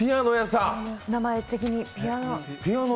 名前的にピアノ。